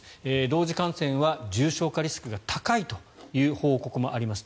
同時感染は重症化リスクが高いという報告もあります。